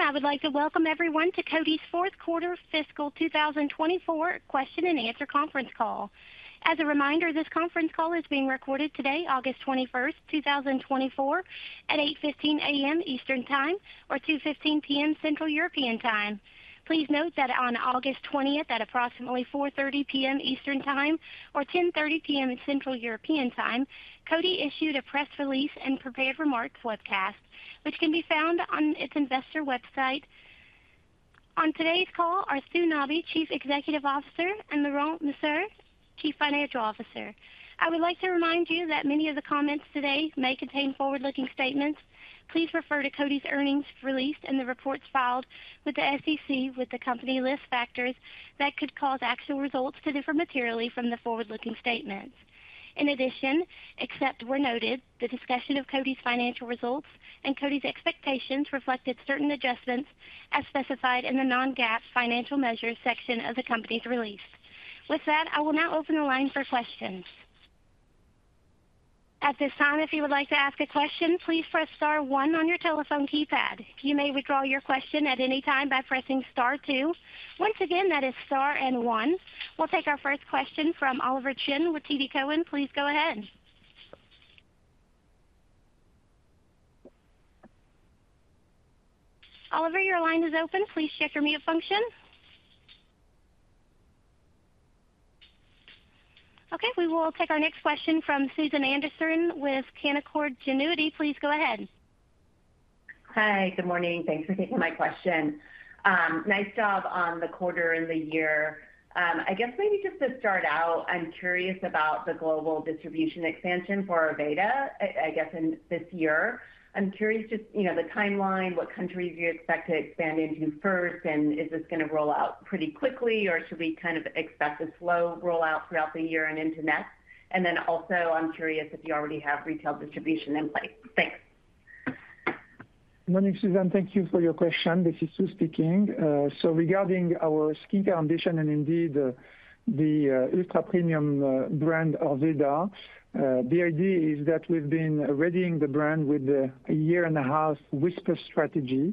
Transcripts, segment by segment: I would like to welcome everyone to Coty's fourth quarter fiscal 2024 question and answer conference call. As a reminder, this conference call is being recorded today, August 21st, 2024, at 8:15 A.M. Eastern Time or 2:15 P.M. Central European Time. Please note that on August 20th, at approximately 4:30 P.M. Eastern Time or 10:30 P.M. Central European Time, Coty issued a press release and prepared remarks webcast, which can be found on its investor website. On today's call are Sue Nabi, Chief Executive Officer, and Laurent Mercier, Chief Financial Officer. I would like to remind you that many of the comments today may contain forward-looking statements. Please refer to Coty's earnings release and the reports filed with the SEC, where the company lists factors that could cause actual results to differ materially from the forward-looking statements. In addition, except where noted, the discussion of Coty's financial results and Coty's expectations reflected certain adjustments as specified in the non-GAAP financial measures section of the company's release. With that, I will now open the line for questions. At this time, if you would like to ask a question, please press star one on your telephone keypad. You may withdraw your question at any time by pressing star two. Once again, that is star and one. We'll take our first question from Oliver Chen with TD Cowen. Please go ahead. Oliver, your line is open. Please check your mute function. Okay, we will take our next question from Susan Anderson with Canaccord Genuity. Please go ahead. Hi, good morning. Thanks for taking my question. Nice job on the quarter and the year. I guess maybe just to start out, I'm curious about the global distribution expansion for Orveda, I guess, in this year. I'm curious just, you know, the timeline, what countries you expect to expand into first, and is this going to roll out pretty quickly, or should we kind of expect a slow rollout throughout the year and into next? And then also, I'm curious if you already have retail distribution in place. Thanks. Good morning, Susan. Thank you for your question. This is Sue speaking. So regarding our skincare and indeed the ultra-premium brand, Orveda, the idea is that we've been readying the brand with a year-and-a-half whisper strategy.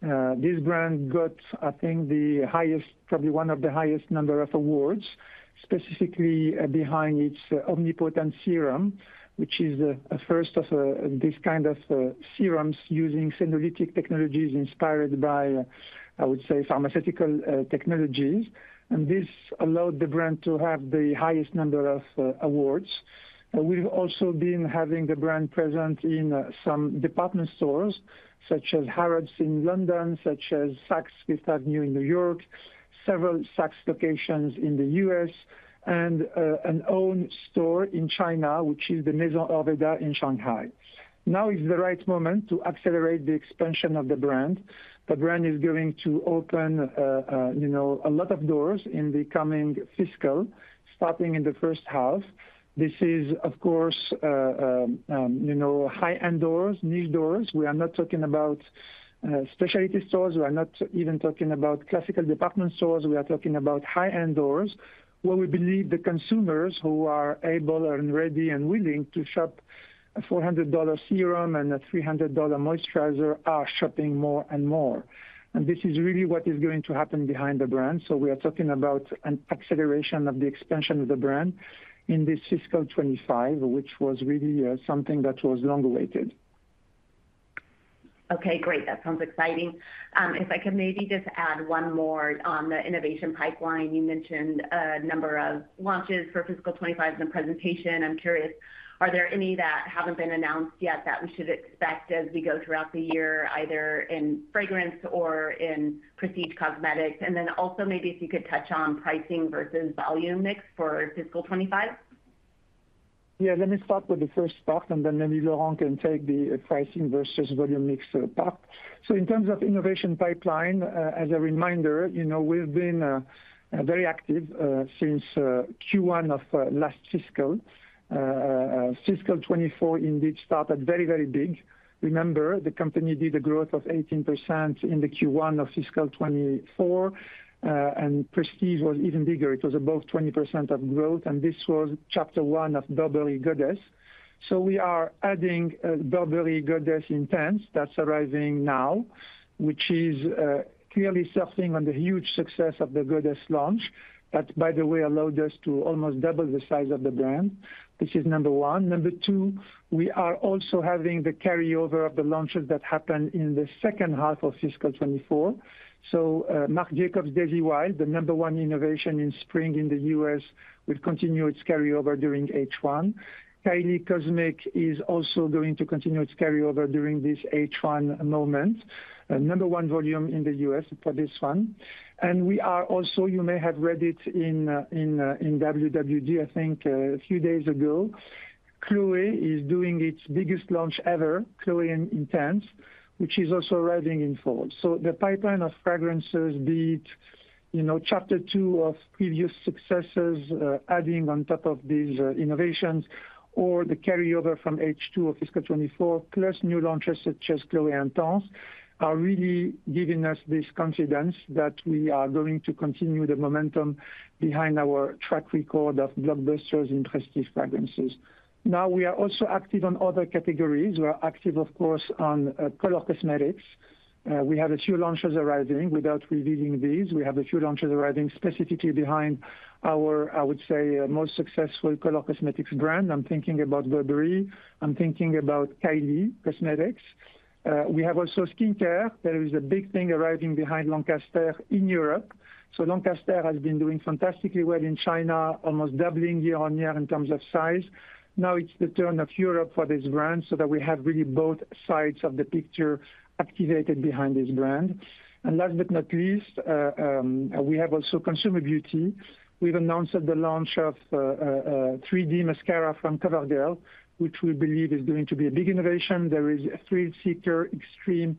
This brand got, I think, the highest, probably one of the highest number of awards, specifically behind its Omnipotent Serum, which is a first of this kind of serums using senolytic technologies inspired by, I would say, pharmaceutical technologies. And this allowed the brand to have the highest number of awards. We've also been having the brand present in some department stores, such as Harrods in London, such as Saks Fifth Avenue in New York, several Saks locations in the U.S., and an own store in China, which is the Maison Orveda in Shanghai. Now is the right moment to accelerate the expansion of the brand. The brand is going to open, you know, a lot of doors in the coming fiscal, starting in the first half. This is, of course, you know, high-end doors, niche doors. We are not talking about specialty stores. We are not even talking about classical department stores. We are talking about high-end doors, where we believe the consumers who are able and ready and willing to shop a $400 serum and a $300 moisturizer are shopping more and more. And this is really what is going to happen behind the brand, so we are talking about an acceleration of the expansion of the brand in this fiscal 2025, which was really something that was long awaited. Okay, great. That sounds exciting. If I could maybe just add one more on the innovation pipeline. You mentioned a number of launches for fiscal 2025 in the presentation. I'm curious, are there any that haven't been announced yet that we should expect as we go throughout the year, either in fragrance or in prestige cosmetics? And then also maybe if you could touch on pricing versus volume mix for fiscal 2025. Yeah, let me start with the first part, and then maybe Laurent can take the pricing versus volume mix, part. So in terms of innovation pipeline, as a reminder, you know, we've been very active since Q1 of last fiscal. Fiscal 2024 indeed started very, very big. Remember, the company did a growth of 18% in the Q1 of fiscal 2024, and Prestige was even bigger. It was above 20% of growth, and this was chapter one of Burberry Goddess. So we are adding Burberry Goddess Intense. That's arriving now, which is clearly surfing on the huge success of the Goddess launch. That, by the way, allowed us to almost double the size of the brand. This is number one. Number two, we are also having the carryover of the launches that happened in the second half of fiscal 2024. So, Marc Jacobs Daisy Wild, the number one innovation in spring in the U.S., will continue its carryover during H1. Kylie Cosmetics is also going to continue its carryover during this H1 moment. Number one volume in the U.S. for this one. And we are also you may have read it in WWD, I think, a few days ago. Chloé is doing its biggest launch ever, Chloé Intense, which is also arriving in fall. So the pipeline of fragrances, be it, you know, chapter two of previous successes, adding on top of these, innovations, or the carryover from H2 of fiscal 2024, plus new launches such as Chloé Intense, are really giving us this confidence that we are going to continue the momentum behind our track record of blockbusters in prestige fragrances. Now, we are also active on other categories. We are active, of course, on color cosmetics. We have a few launches arriving. Without revealing these, we have a few launches arriving specifically behind our, I would say, most successful color cosmetics brand. I'm thinking about Burberry. I'm thinking about Kylie Cosmetics. We have also skincare. There is a big thing arriving behind Lancaster in Europe. So Lancaster has been doing fantastically well in China, almost doubling year-on-year in terms of size. Now it's the turn of Europe for this brand, so that we have really both sides of the picture activated behind this brand. And last but not least, we have also Consumer Beauty. We've announced the launch of a 3D mascara from CoverGirl, which we believe is going to be a big innovation. There is a Thrill Seeker Extreme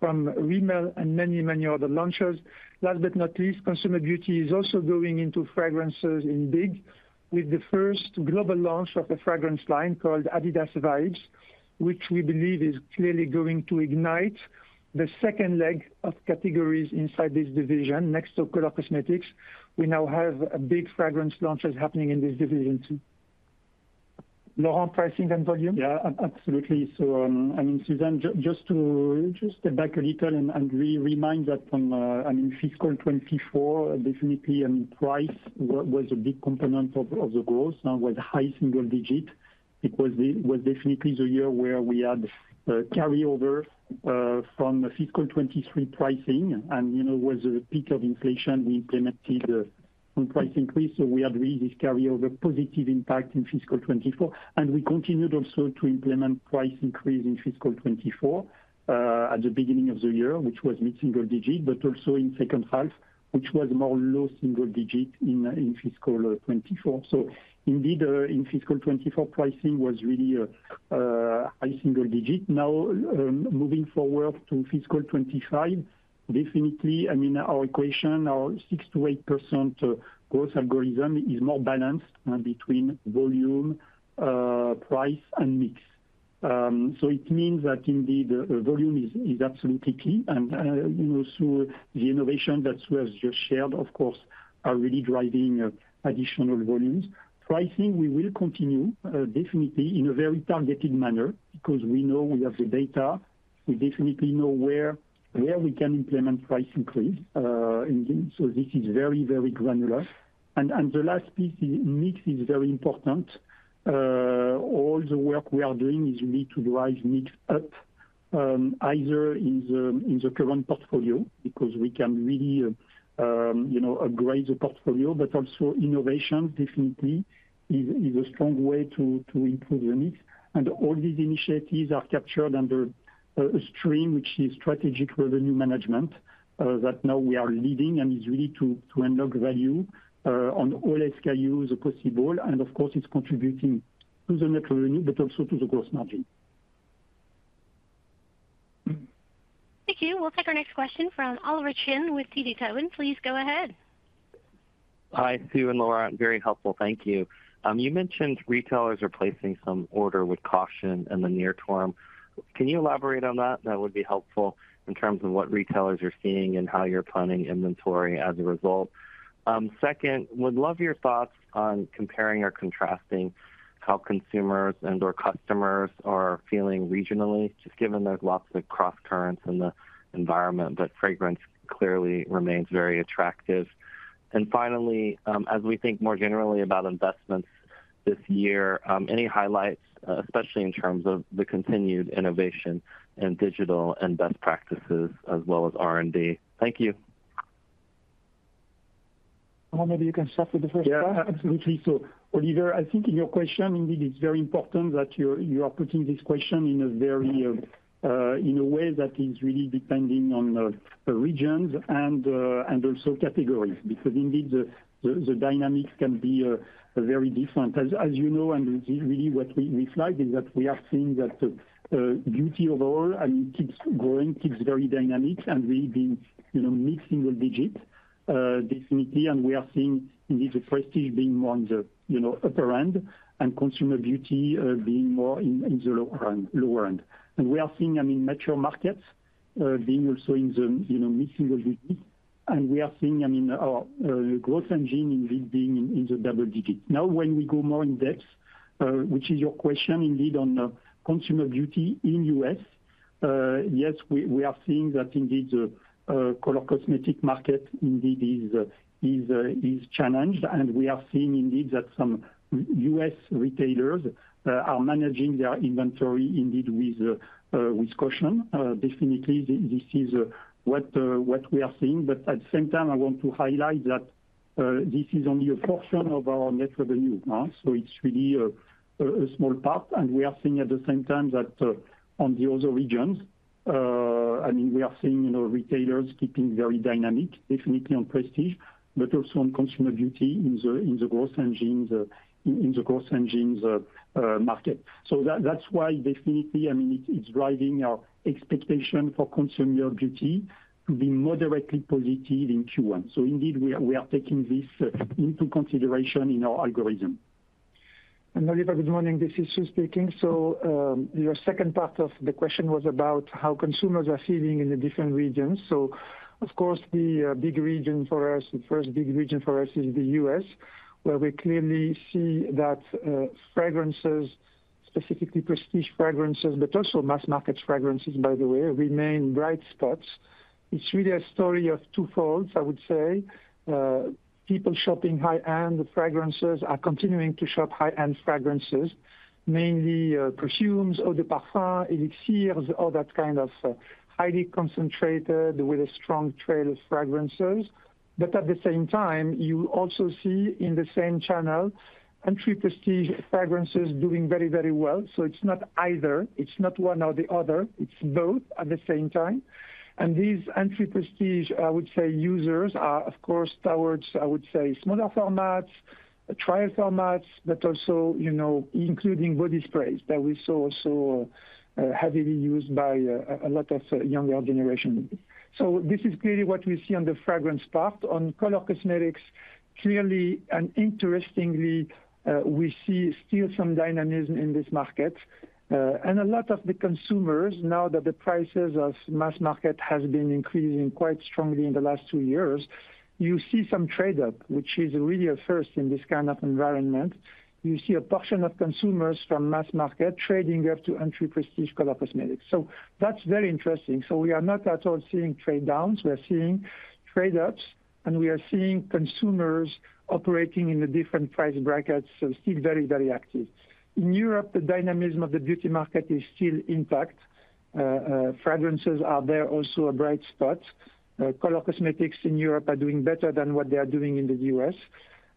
from Rimmel and many, many other launches. Last but not least, Consumer Beauty is also going into fragrances in big, with the first global launch of a fragrance line called adidas Vibes, which we believe is clearly going to ignite the second leg of categories inside this division. Next to color cosmetics, we now have a big fragrance launches happening in this division, too. Laurent, pricing and volume? Yeah, absolutely. I mean, Sue, just to step back a little and remind that from fiscal 2024, definitely, I mean, price was a big component of the growth, now with high single digit. It was definitely the year where we had carryover from fiscal 2023 pricing and, you know, was the peak of inflation. We implemented some price increase, so we had really this carryover positive impact in fiscal 2024. We continued also to implement price increase in fiscal 2024 at the beginning of the year, which was mid-single digit, but also in second half, which was more low single digit in fiscal 2024. Indeed, in fiscal 2024, pricing was really high single digit. Now, moving forward to fiscal 2025, definitely, I mean, our equation, our 6%-8% growth algorithm is more balanced between volume, price, and mix. So it means that indeed, volume is absolutely key, and, you know, so the innovation that was just shared, of course, are really driving additional volumes. Pricing, we will continue, definitely in a very targeted manner because we know we have the data. We definitely know where we can implement price increase, and so this is very, very granular. And, the last piece, mix is very important. All the work we are doing is really to drive mix up, either in the, in the current portfolio, because we can really, you know, upgrade the portfolio, but also innovation definitely is a strong way to improve the mix. All these initiatives are captured under a stream, which is Strategic Revenue Management, that now we are leading and is really to unlock value on all SKUs possible, and of course, it's contributing to the net revenue, but also to the gross margin. Thank you. We'll take our next question from Oliver Chen with TD Cowen. Please go ahead. Hi, Sue and Laurent. Very helpful. Thank you. You mentioned retailers are placing some orders with caution in the near term. Can you elaborate on that? That would be helpful in terms of what retailers are seeing and how you're planning inventory as a result. Second, would love your thoughts on comparing or contrasting how consumers and/or customers are feeling regionally, just given there's lots of crosscurrents in the environment, but fragrance clearly remains very attractive. And finally, as we think more generally about investments this year, any highlights, especially in terms of the continued innovation in digital and best practices as well as R&D? Thank you. Well, maybe you can start with the first part. Yeah, absolutely. So, Oliver, I think your question, indeed, it's very important that you're, you are putting this question in a very, in a way that is really depending on the regions and also categories, because indeed, the dynamics can be very different. As you know, and really what we flag is that we are seeing that beauty overall, I mean, keeps growing, keeps very dynamic and really being, you know, mid-single digit definitely. And we are seeing indeed, the Prestige being more on the, you know, upper end and Consumer Beauty being more in the lower end. And we are seeing, I mean, mature markets being also in the, you know, mid-single digit. We are seeing, I mean, our growth engine indeed being in the double digit. Now, when we go more in depth, which is your question, indeed, on the Consumer Beauty in U.S., yes, we are seeing that indeed, color cosmetic market indeed is challenged, and we are seeing indeed that some U.S. retailers are managing their inventory indeed with caution. Definitely, this is what we are seeing. But at the same time, I want to highlight that this is only a portion of our net revenue, huh? So it's really a small part, and we are seeing at the same time that on the other regions, I mean, we are seeing, you know, retailers keeping very dynamic, definitely on Prestige, but also on Consumer Beauty in the growth engine markets. That's why definitely, I mean, it's driving our expectation for Consumer Beauty to be moderately positive in Q1. So indeed, we are taking this into consideration in our algorithm. And Oliver, good morning, this is Sue speaking. So your second part of the question was about how consumers are feeling in the different regions. Of course, the big region for us, the first big region for us is the U.S., where we clearly see that fragrances, specifically prestige fragrances, but also mass market fragrances, by the way, remain bright spots. It's really a story of twofolds, I would say. People shopping high-end fragrances are continuing to shop high-end fragrances, mainly perfumes, eau de parfum, elixirs, all that kind of highly concentrated with a strong trail of fragrances. But at the same time, you also see in the same channel, entry prestige fragrances doing very, very well. It's not either, it's not one or the other, it's both at the same time. These entry prestige, I would say, users are, of course, towards, I would say, smaller formats, trial formats, but also, you know, including body sprays that we saw so heavily used by a lot of younger generation. So this is clearly what we see on the fragrance part. On color cosmetics, clearly and interestingly, we see still some dynamism in this market. And a lot of the consumers, now that the prices of mass market has been increasing quite strongly in the last two years, you see some trade-up, which is really a first in this kind of environment. You see a portion of consumers from mass market trading up to entry prestige color cosmetics. So that's very interesting. So we are not at all seeing trade downs. We are seeing trade ups, and we are seeing consumers operating in the different price brackets, so still very, very active. In Europe, the dynamism of the beauty market is still intact. Fragrances are there also a bright spot. Color cosmetics in Europe are doing better than what they are doing in the US.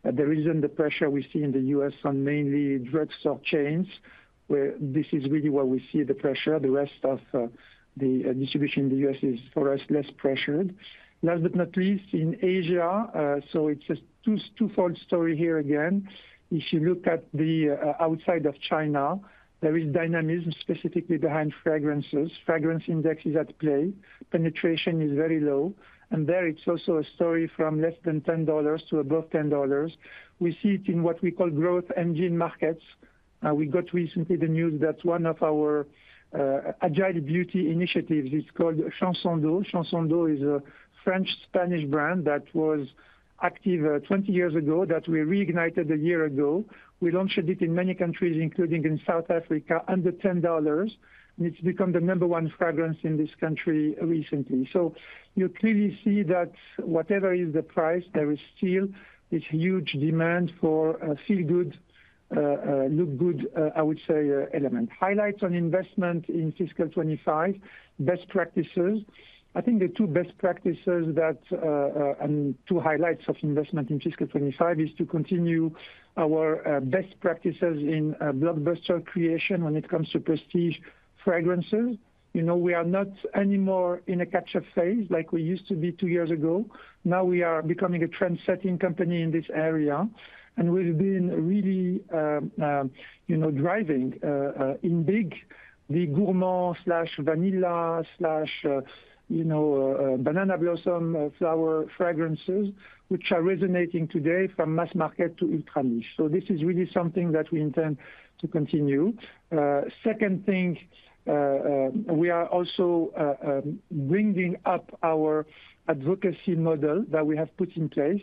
The reason, the pressure we see in the U.S. on mainly drugstore chains, where this is really where we see the pressure. The rest of the distribution in the U.S. is, for us, less pressured. Last but not least, in Asia, so it's a two-fold story here again. If you look at the outside of China, there is dynamism, specifically behind fragrances. Fragrance Index is at play, penetration is very low, and there it's also a story from less than $10 to above $10. We see it in what we call growth engine markets. We got recently the news that one of our agile beauty initiatives is called Chanson d'Eau. Chanson d'Eau is a French-Spanish brand that was active 20 years ago, that we reignited a year ago. We launched it in many countries, including in South Africa, under $10, and it's become the number one fragrance in this country recently. So you clearly see that whatever is the price, there is still this huge demand for a feel good look good, I would say, element. Highlights on investment in fiscal 2025, best practices. I think the two best practices that and two highlights of investment in fiscal 2025 is to continue our best practices in blockbuster creation when it comes to Prestige fragrances. You know, we are not anymore in a catch-up phase like we used to be two years ago. Now we are becoming a trendsetting company in this area, and we've been really, you know, driving big the gourmand/vanilla/banana blossom flower fragrances, which are resonating today from mass market to ultra niche. So this is really something that we intend to continue. We are also bringing up our advocacy model that we have put in place.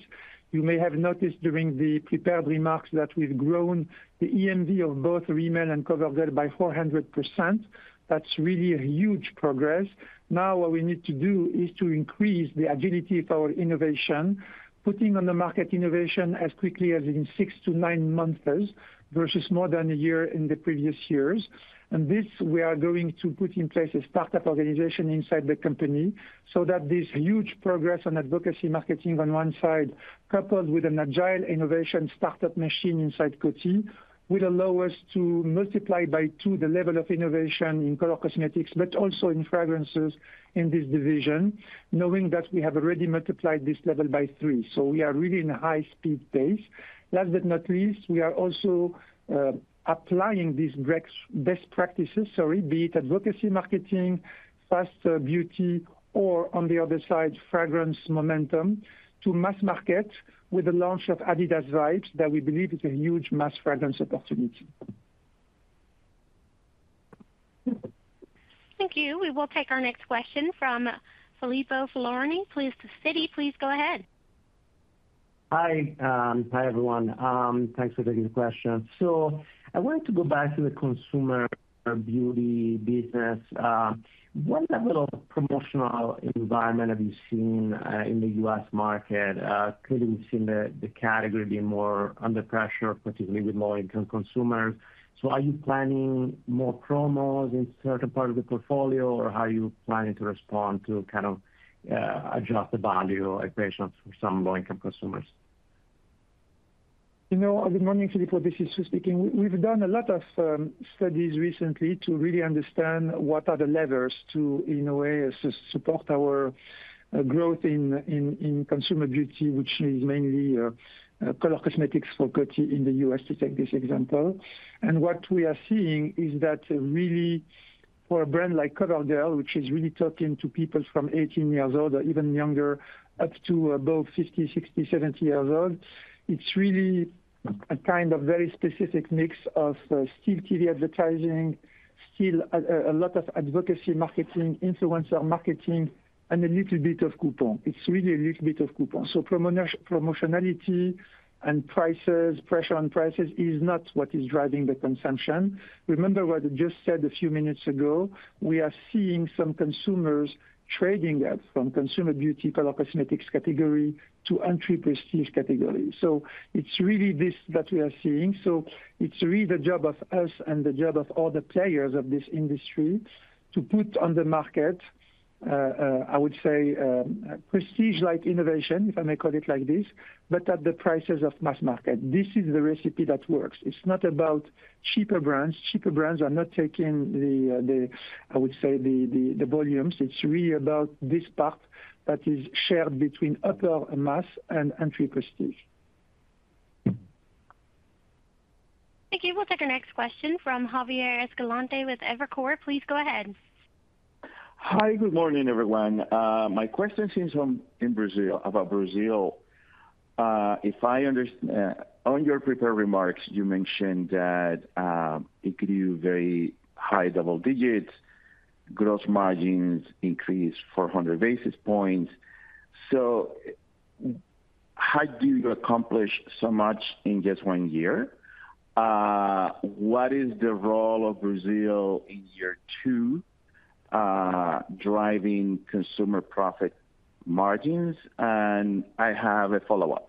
You may have noticed during the prepared remarks that we've grown the EMV of both Rimmel and CoverGirl by 400%. That's really a huge progress. Now, what we need to do is to increase the agility of our innovation, putting on the market innovation as quickly as in six to nine months versus more than a year in the previous years, and this, we are going to put in place a startup organization inside the company, so that this huge progress on advocacy marketing on one side, coupled with an agile innovation startup machine inside Coty, will allow us to multiply by two the level of innovation in color cosmetics, but also in fragrances in this division, knowing that we have already multiplied this level by three, so we are really in a high-speed pace. Last but not least, we are also applying these best practices, be it advocacy, marketing, faster beauty, or on the other side, fragrance momentum, to mass market with the launch of adidas Vibes that we believe is a huge mass fragrance opportunity. Thank you. We will take our next question from Filippo Falorni. Please, Citi, please go ahead. Hi, everyone. Thanks for taking the question. So I wanted to go back to the Consumer Beauty Business. What level of promotional environment have you seen in the U.S. market? Clearly, we've seen the category being more under pressure, particularly with low-income consumers. So are you planning more promos in certain part of the portfolio, or how are you planning to respond to kind of adjust the value equations for some low-income consumers? You know, good morning, Filippo, this is Sue speaking. We've done a lot of studies recently to really understand what are the levers to, in a way, support our growth in Consumer Beauty, which is mainly color cosmetics for Coty in the U.S., to take this example. What we are seeing is that really, for a brand like CoverGirl, which is really talking to people from eighteen years old or even younger, up to above fifty, sixty, seventy years old, it's really a kind of very specific mix of still TV advertising, still a lot of advocacy marketing, influencer marketing, and a little bit of coupon. It's really a little bit of coupon. So promotionality and prices, pressure on prices, is not what is driving the consumption. Remember what I just said a few minutes ago, we are seeing some consumers trading up from Consumer Beauty, color cosmetics category to entry Prestige category. So it's really this that we are seeing. So it's really the job of us and the job of all the players of this industry to put on the market, I would say, Prestige-like innovation, if I may call it like this, but at the prices of mass market. This is the recipe that works. It's not about cheaper brands. Cheaper brands are not taking the, I would say, the volumes. It's really about this part that is shared between upper mass and entry Prestige. Thank you. We'll take our next question from Javier Escalante with Evercore. Please go ahead. Hi, good morning, everyone. My question is on Brazil. If I understand, on your prepared remarks, you mentioned that it grew very high double digits, gross margins increased 400 basis points. How do you accomplish so much in just one year? What is the role of Brazil in year two driving consumer profit margins? And I have a follow-up.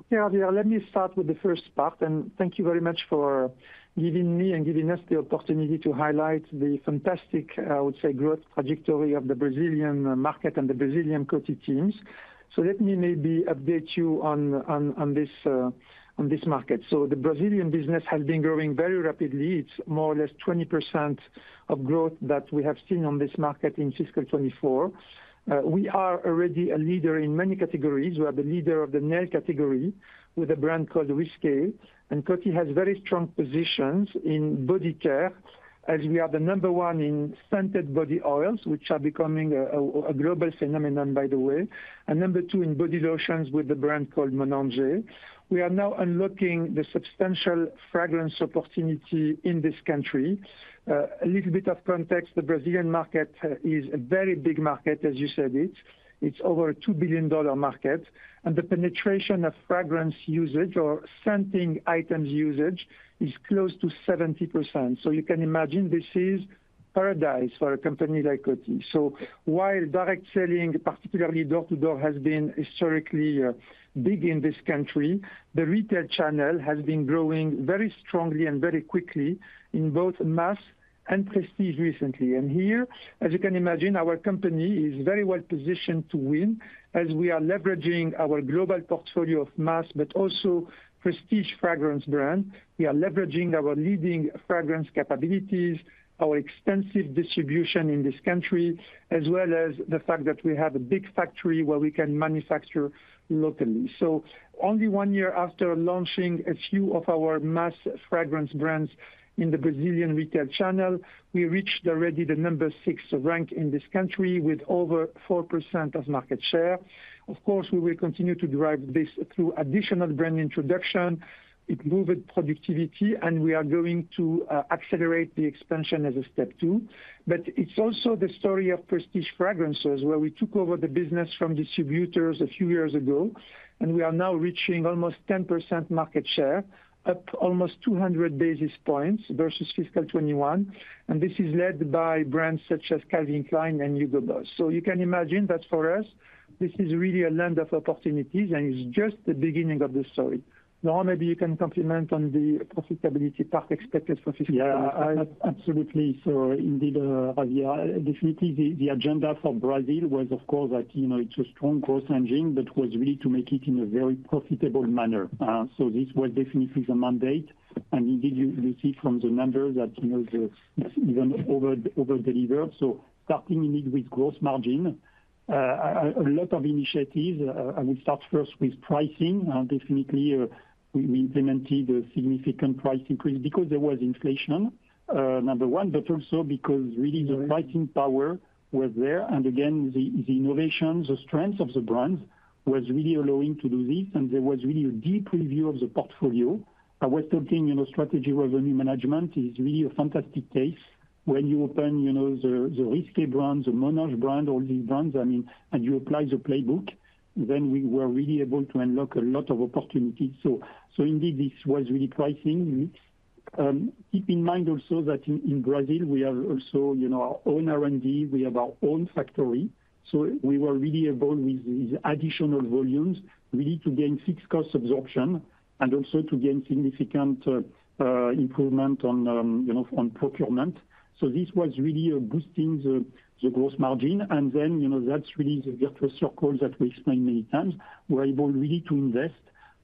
Okay, Javier, let me start with the first part, and thank you very much for giving me and giving us the opportunity to highlight the fantastic, I would say, growth trajectory of the Brazilian market and the Brazilian Coty teams. So let me maybe update you on this market. So the Brazilian business has been growing very rapidly. It's more or less 20% of growth that we have seen on this market in fiscal 2024. We are already a leader in many categories. We are the leader of the nail category with a brand called Risqué, and Coty has very strong positions in body care, as we are the number one in scented body oils, which are becoming a global phenomenon, by the way, and number two in body lotions with a brand called Monange. We are now unlocking the substantial fragrance opportunity in this country. A little bit of context, the Brazilian market is a very big market, as you said it. It's over a $2 billion market, and the penetration of fragrance usage or scenting items usage is close to 70%. So you can imagine this is paradise for a company like Coty. So while direct selling, particularly door-to-door, has been historically big in this country, the retail channel has been growing very strongly and very quickly in both mass and prestige recently. And here, as you can imagine, our company is very well positioned to win, as we are leveraging our global portfolio of mass but also prestige fragrance brand. We are leveraging our leading fragrance capabilities, our extensive distribution in this country, as well as the fact that we have a big factory where we can manufacture locally, so only one year after launching a few of our mass fragrance brands in the Brazilian retail channel, we reached already the number six rank in this country with over 4% of market share. Of course, we will continue to drive this through additional brand introduction, improved productivity, and we are going to accelerate the expansion as a step two, but it's also the story of prestige fragrances, where we took over the business from distributors a few years ago, and we are now reaching almost 10% market share, up almost two hundred basis points versus fiscal 2021. This is led by brands such as Calvin Klein and HUGO BOSS. So you can imagine that for us, this is really a land of opportunities, and it's just the beginning of the story. Laurent, maybe you can comment on the profitability part expected for fiscal. Yeah, absolutely. So indeed, Javier, definitely the agenda for Brazil was, of course, that, you know, it's a strong growth engine, but was really to make it in a very profitable manner. So this was definitely the mandate, and indeed, you see from the numbers that, you know, it's even over delivered. So starting indeed with gross margin, a lot of initiatives, I will start first with pricing. Definitely, we implemented a significant price increase because there was inflation, number one, but also because really the pricing power was there. And again, the innovation, the strength of the brands was really allowing to do this, and there was really a deep review of the portfolio. I was talking, you know, Strategic Revenue Management is really a fantastic case. When you open, you know, the Risqué brand, the Monange brand, all these brands, I mean, and you apply the playbook, then we were really able to unlock a lot of opportunities. So, so indeed, this was really pricing. Keep in mind also that in Brazil, we have also, you know, our own R&D, we have our own factory, so we were really able, with these additional volumes, really to gain fixed cost absorption, and also to gain significant improvement on, you know, on procurement. So this was really boosting the gross margin. Then, you know, that's really the virtuous circle that we explained many times. We're able really to invest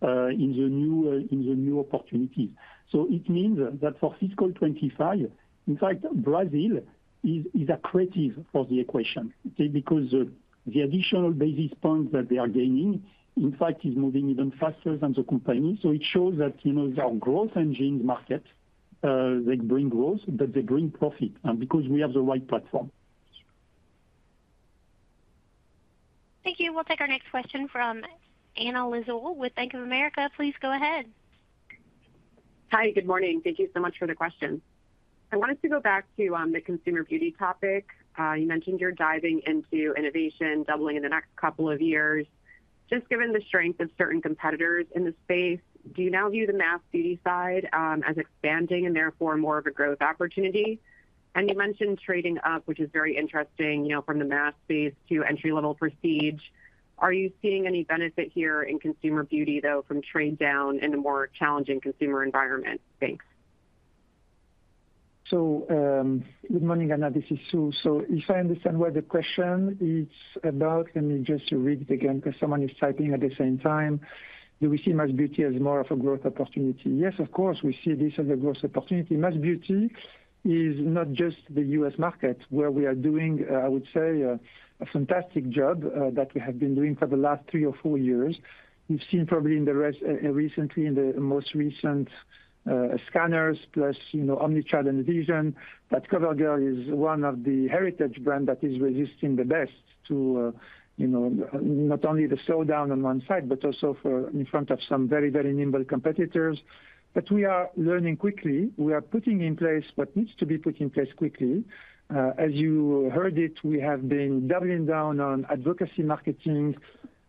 in the new opportunities. So it means that for fiscal 2025, in fact, Brazil is accretive for the equation, okay? Because the additional basis points that they are gaining, in fact, is moving even faster than the company. So it shows that, you know, our growth engine market they bring growth, but they bring profit, and because we have the right platform. Thank you. We'll take our next question from Anna Lizzul with Bank of America. Please go ahead. Hi, good morning. Thank you so much for the question. I wanted to go back to the Consumer Beauty topic. You mentioned you're diving into innovation, doubling in the next couple of years. Just given the strength of certain competitors in the space, do you now view the mass beauty side as expanding and therefore more of a growth opportunity? And you mentioned trading up, which is very interesting, you know, from the mass space to entry-level prestige. Are you seeing any benefit here in Consumer Beauty, though, from trade down in a more challenging consumer environment? Thanks. So, good morning, Anna, this is Sue. So if I understand well the question, it's about, let me just read it again, 'cause someone is typing at the same time. Do we see mass beauty as more of a growth opportunity? Yes, of course, we see this as a growth opportunity. Mass beauty is not just the U.S. market, where we are doing, I would say, a fantastic job, that we have been doing for the last three or four years. We've seen probably in the recently in the most recent scanners, plus, you know, omni-channel division, that CoverGirl is one of the heritage brand that is resisting the best to, you know, not only the slowdown on one side, but also for in front of some very, very nimble competitors. But we are learning quickly. We are putting in place what needs to be put in place quickly. As you heard it, we have been doubling down on advocacy marketing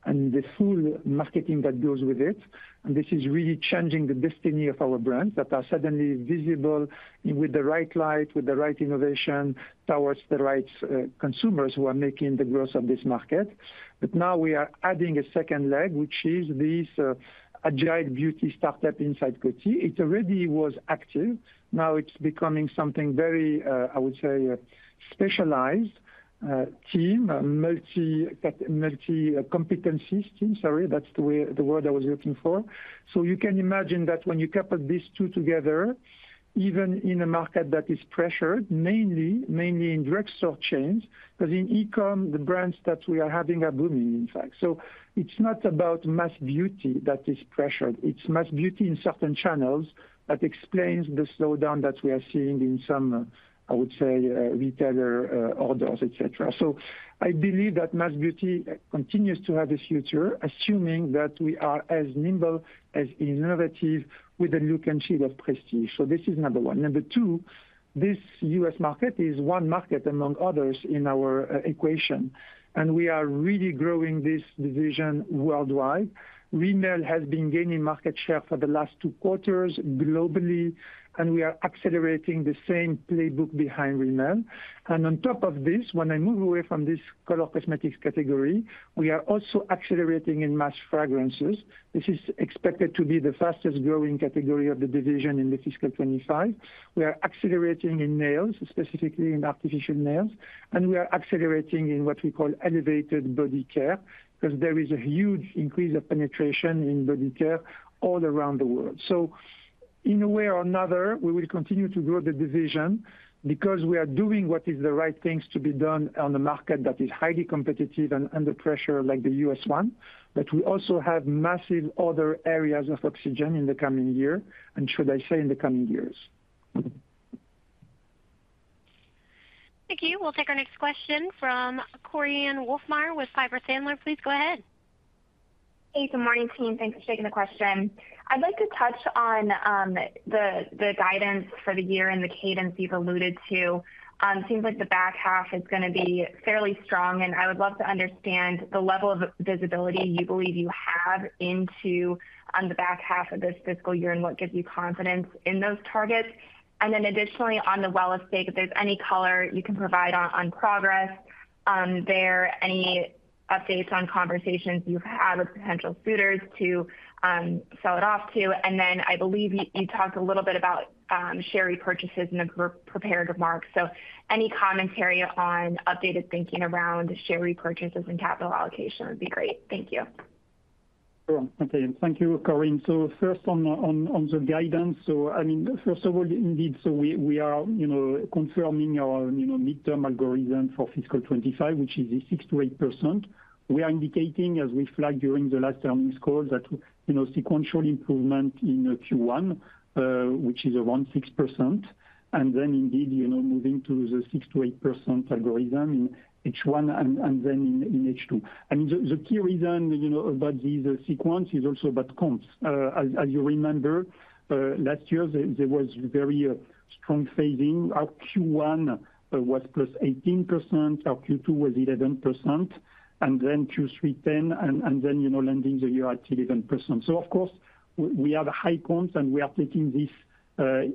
and the full marketing that goes with it. And this is really changing the destiny of our brands that are suddenly visible with the right light, with the right innovation, towards the right consumers who are making the growth of this market. But now we are adding a second leg, which is this agile beauty startup inside Coty. It already was active. Now it's becoming something very, I would say, specialized team, multi-cap, multi-competencies team. Sorry, that's the way, the word I was looking for. So you can imagine that when you couple these two together, even in a market that is pressured, mainly, mainly in drugstore chains, but in e-com, the brands that we are having are booming, in fact. So it's not about mass beauty that is pressured, it's mass beauty in certain channels that explains the slowdown that we are seeing in some, I would say, retailer, orders, et cetera. So I believe that mass beauty continues to have a future, assuming that we are as nimble, as innovative with the look and feel of prestige. So this is number one. Number two, this U.S. market is one market among others in our equation, and we are really growing this division worldwide. Rimmel has been gaining market share for the last two quarters globally, and we are accelerating the same playbook behind Rimmel. On top of this, when I move away from this color cosmetics category, we are also accelerating in mass fragrances. This is expected to be the fastest growing category of the division in fiscal 2025. We are accelerating in nails, specifically in artificial nails, and we are accelerating in what we call elevated body care, because there is a huge increase of penetration in body care all around the world. In a way or another, we will continue to grow the division because we are doing what is the right things to be done on a market that is highly competitive and under pressure, like the U.S. one. We also have massive other areas of opportunity in the coming year, and should I say, in the coming years. Thank you. We'll take our next question from Korinne Wolfmeyer with Piper Sandler. Please go ahead. Hey, good morning, team. Thanks for taking the question. I'd like to touch on the guidance for the year and the cadence you've alluded to. Seems like the back half is gonna be fairly strong, and I would love to understand the level of visibility you believe you have into the back half of this fiscal year and what gives you confidence in those targets. And then additionally, on the Wella stake, if there's any color you can provide on progress there, any updates on conversations you've had with potential suitors to sell it off to? And then I believe you talked a little bit about share repurchases in the group prepared remarks. So any commentary on updated thinking around share repurchases and capital allocation would be great. Thank you. Sure. Okay. Thank you, Korinne. So first on the guidance. So, I mean, first of all, indeed, so we are, you know, confirming our, you know, midterm algorithm for fiscal 2025, which is a 6%-8%. We are indicating, as we flagged during the last earnings call, that, you know, sequential improvement in Q1, which is around 6%, and then indeed, you know, moving to the 6%-8% algorithm in H1 and then in H2. I mean, the key reason, you know, about this sequence is also about comps. As you remember, last year there was very strong phasing. Our Q1 was +18%, our Q2 was 11%, and then Q3 10%, and then, you know, ending the year at 11%. So of course, we have high comps and we are taking this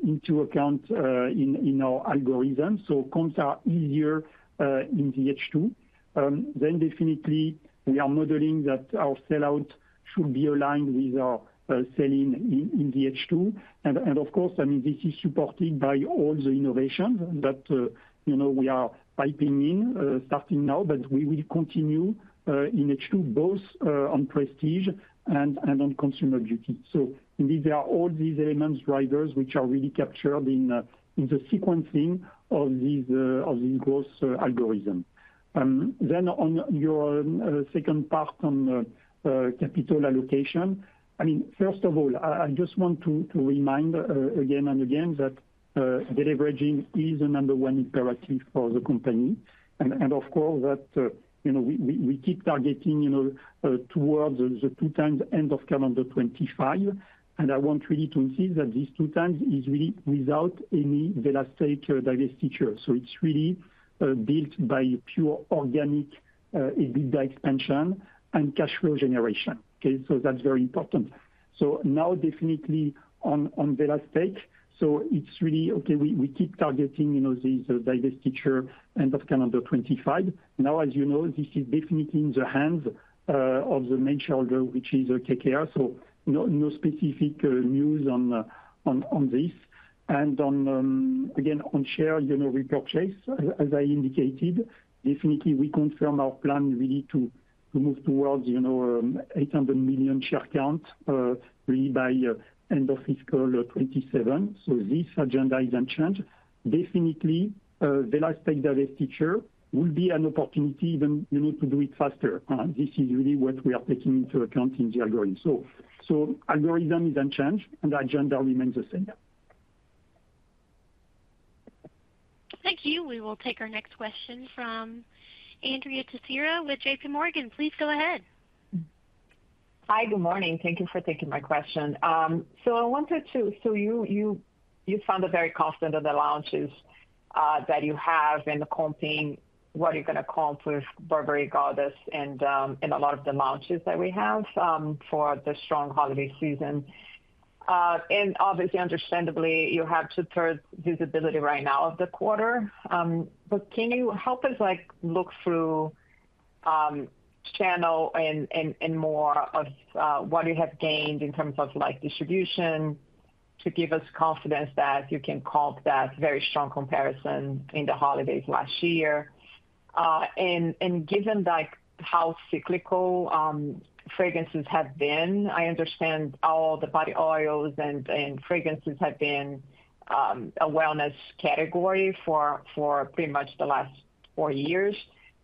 into account in our algorithm, so comps are easier in the H2. Then definitely we are modeling that our sell-out should be aligned with our selling in the H2. And of course, I mean, this is supported by all the innovations that you know we are piping in starting now, but we will continue in H2, both on Prestige and on Consumer Beauty. So indeed, there are all these elements, drivers, which are really captured in the sequencing of these of the growth algorithm. Then on your second part on capital allocation, I mean, first of all, I just want to remind again and again that deleveraging is the number one imperative for the company. And of course, that you know we keep targeting you know towards the 2x end of calendar 2025, and I want really to insist that these 2x is really without any Wella divestiture. So it's really built by pure organic EBITDA expansion and cash flow generation. Okay, so that's very important. So now definitely on Wella, so it's really, okay, we keep targeting you know this divestiture end of calendar 2025. Now, as you know, this is definitely in the hands of the main shareholder, which is KKR, so no specific news on this. On, again, on share, you know, repurchase, as I indicated, definitely we confirm our plan really to move towards, you know, 800 million share count, really by end of fiscal 2027. So this agenda is unchanged. Definitely, Wella stake divestiture will be an opportunity then, you know, to do it faster, this is really what we are taking into account in the algorithm. So, algorithm is unchanged, and the agenda remains the same. Thank you. We will take our next question from Andrea Teixeira with JPMorgan. Please go ahead. Hi, good morning. Thank you for taking my question. So you found it very confident of the launches that you have and the comping, what you're going to comp with Burberry Goddess and a lot of the launches that we have for the strong holiday season. And obviously, understandably, you have two-thirds visibility right now of the quarter. But can you help us, like, look through channel and more of what you have gained in terms of, like, distribution, to give us confidence that you can comp that very strong comparison in the holidays last year? And given, like, how cyclical fragrances have been, I understand all the body oils and fragrances have been a wellness category for pretty much the last four years.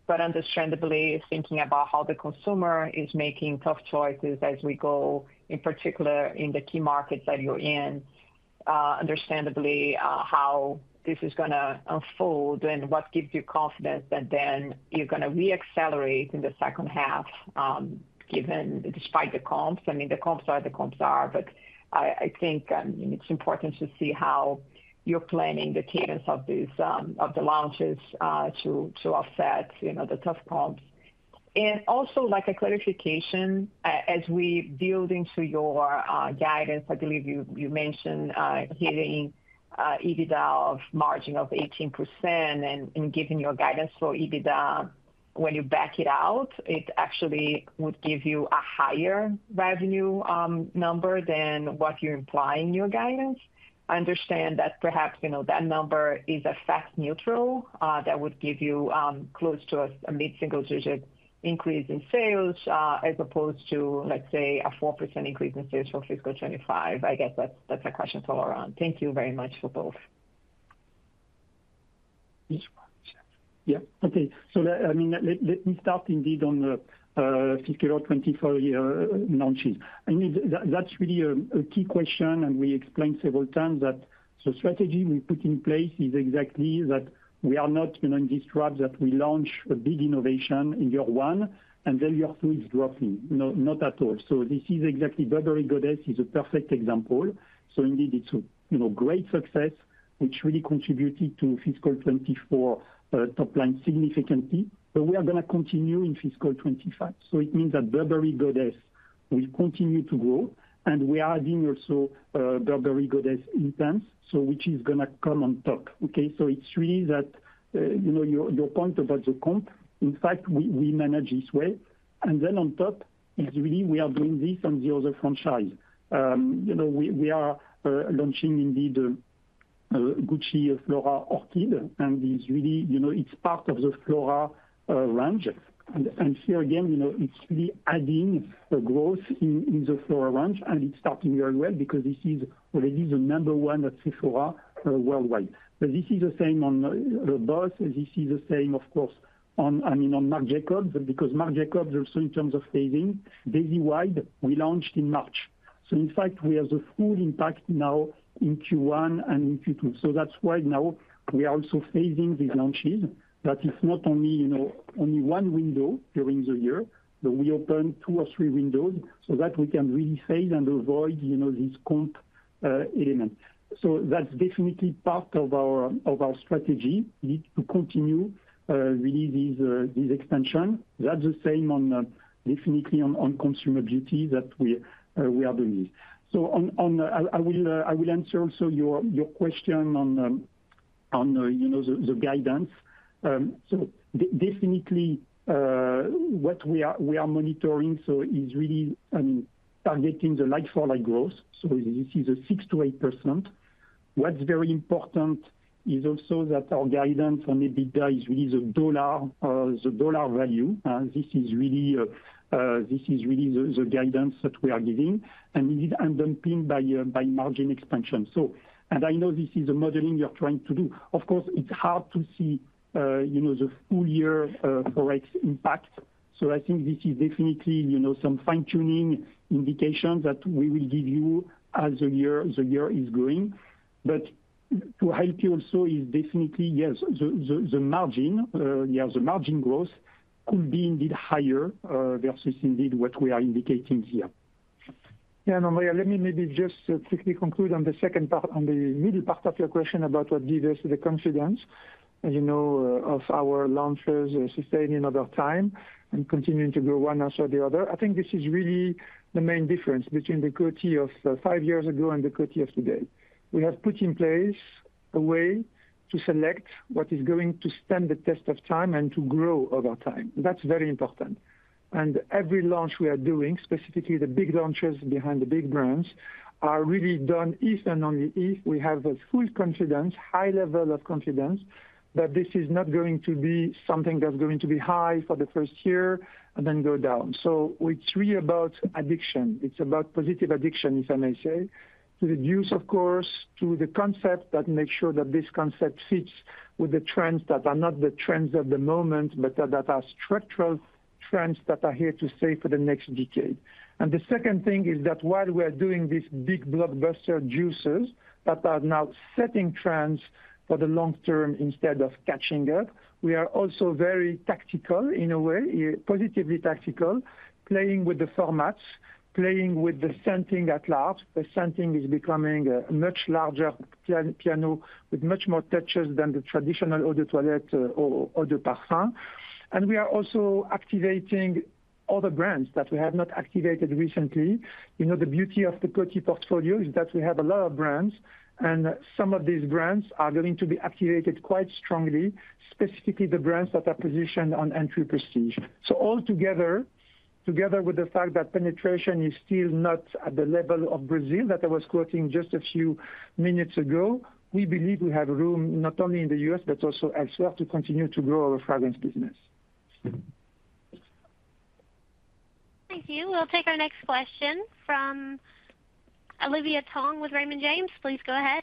But understandably, thinking about how the consumer is making tough choices as we go, in particular in the key markets that you're in. Understandably, how this is gonna unfold and what gives you confidence that then you're going to re-accelerate in the second half, given despite the comps. I mean, the comps are. But I think it's important to see how you're planning the cadence of these launches to offset, you know, the tough comps. And also, like a clarification, as we build into your guidance, I believe you mentioned hitting an EBITDA margin of 18% and giving your guidance for EBITDA. When you back it out, it actually would give you a higher revenue number than what you imply in your guidance. I understand that perhaps, you know, that number is FX neutral, that would give you, close to a mid-single digit increase in sales, as opposed to, let's say, a 4% increase in sales for fiscal 2025. I guess that's, that's a question for Laurent. Thank you very much for both. Yeah. Okay. So, I mean, let me start indeed on the fiscal 2024 year launches. I mean, that's really a key question, and we explained several times that the strategy we put in place is exactly that we are not, you know, in this trap, that we launch a big innovation in year one, and then year two is dropping. No, not at all. So this is exactly. Burberry Goddess is a perfect example. So indeed, it's a, you know, great success, which really contributed to fiscal 2024 top line significantly. But we are going to continue in fiscal 2025. So it means that Burberry Goddess will continue to grow, and we are adding also Burberry Goddess Intense, so which is going to come on top. Okay, so it's really that, you know, your point about the comp. In fact, we manage this way, and then on top is really we are doing this on the other franchise. You know, we are launching indeed Gucci Flora Orchid, and it's really, you know, it's part of the Flora range. And here again, you know, it's really adding a growth in the Flora range, and it's starting very well because this is already the number one at Sephora worldwide. But this is the same on both. This is the same, of course, on, I mean, on Marc Jacobs, because Marc Jacobs also in terms of phasing, Daisy Wild, we launched in March. So in fact, we have the full impact now in Q1 and in Q2. So that's why now we are also phasing these launches. That it's not only, you know, only one window during the year, but we open two or three windows so that we can really phase and avoid, you know, this comp element. So that's definitely part of our strategy, is to continue really these expansion. That's the same on definitely on Consumer Beauty that we are doing this. So I will answer also your question on the, you know, the guidance. So definitely what we are monitoring, so is really targeting the like-for-like growth, so this is a 6%-8%. What's very important is also that our guidance on EBITDA is really the dollar value. This is really the guidance that we are giving, and indeed, driven by margin expansion. I know this is the modeling you're trying to do. Of course, it's hard to see, you know, the full year correct impact, so I think this is definitely, you know, some fine-tuning indication that we will give you as the year is going. But to help you also is definitely, yes, the margin growth could be indeed higher versus indeed what we are indicating here. Yeah. And Andrea, let me maybe just quickly conclude on the second part, on the middle part of your question about what gives us the confidence, as you know, of our launches sustaining over time and continuing to grow one after the other. I think this is really the main difference between the Coty of five years ago and the Coty of today. We have put in place a way to select what is going to stand the test of time and to grow over time. That's very important, and every launch we are doing, specifically the big launches behind the big brands, are really done if and only if we have a full confidence, high level of confidence, that this is not going to be something that's going to be high for the first year and then go down, so it's really about addiction. It's about positive addiction, if I may say, to the use, of course, to the concept that makes sure that this concept fits with the trends that are not the trends of the moment, but that are structural trends that are here to stay for the next decade. And the second thing is that while we are doing these big blockbuster juices that are now setting trends for the long term instead of catching up, we are also very tactical in a way, positively tactical, playing with the formats, playing with the scenting at large. The scenting is becoming a much larger piano, with much more touches than the traditional Eau de Toilette or Eau de Parfum. And we are also activating other brands that we have not activated recently. You know, the beauty of the Coty portfolio is that we have a lot of brands, and some of these brands are going to be activated quite strongly, specifically the brands that are positioned on entry prestige. So altogether, together with the fact that penetration is still not at the level of Brazil, that I was quoting just a few minutes ago, we believe we have room not only in the U.S. but also elsewhere to continue to grow our fragrance business. Thank you. We'll take our next question from Olivia Tong with Raymond James. Please go ahead.